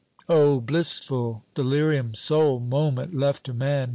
O blissful delirium ! Sole moment left to man.